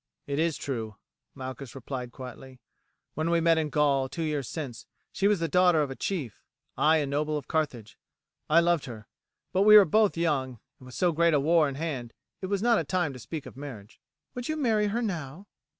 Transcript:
"It is true," Malchus replied quietly. "When we met in Gaul, two years since, she was the daughter of a chief, I a noble of Carthage. I loved her; but we were both young, and with so great a war in hand it was not a time to speak of marriage." "Would you marry her now?"